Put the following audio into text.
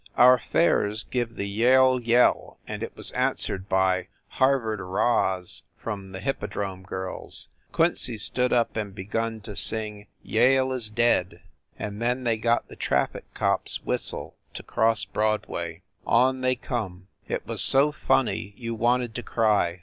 Our fares give the Yale yell and it was answered by Harvard "Rahs !" from the Hippodrome girls Quincy stood up and begun to sing "Yale is Dead !" and then they got the traffic cop s whistle to cross Broadway. On they come. It was so funny you wanted to cry.